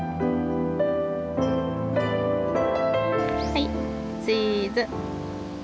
はい、チーズ。